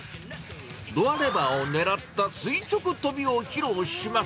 ドアレバーを狙った垂直跳びを披露します。